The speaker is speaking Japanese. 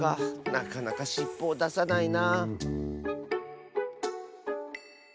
なかなかしっぽをださないな。